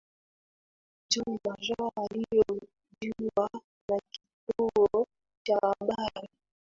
john major alihojiwa na kituo cha habari